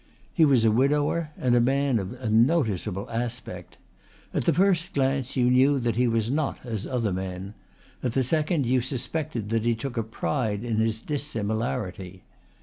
He was a widower and a man of a noticeable aspect. At the first glance you knew that he was not as other men; at the second you suspected that he took a pride in his dissimilarity.